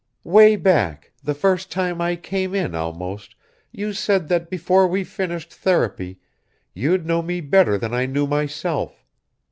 "Way back the first time I came in, almost, you said that before we finished therapy, you'd know me better than I knew myself.